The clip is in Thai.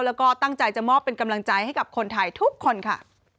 แล้วก็ตั้งใจจะมอบเป็นกำลังใจให้กับคนไทยทุกคนค่ะ